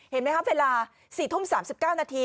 เห็นไหมครับเวลา๔ทุ่ม๓๙นาที